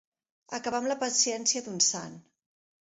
Acabar amb la paciència d'un sant.